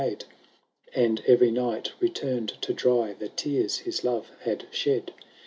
And every knight returned to dry The tears his love had shed.